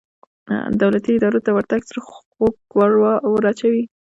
دولتي ادارو ته ورتګ زړه خوږ وراچوي.